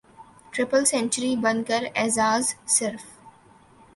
triple century بن کا اعزاز صرف